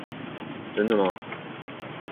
真的嗎